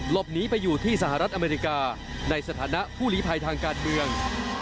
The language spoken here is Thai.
หลบหนีไปอยู่ที่สหรัฐอเมริกาในสถานะผู้หลีภัยทางการเมือง